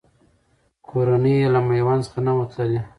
کورنۍ یې له میوند څخه نه وه تللې.